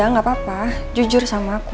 aku udah jawab aja gak papa jujur sama aku